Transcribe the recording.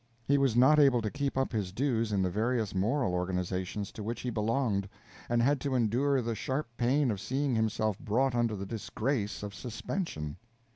He was not able to keep up his dues in the various moral organizations to which he belonged, and had to endure the sharp pain of seeing himself brought under the disgrace of suspension.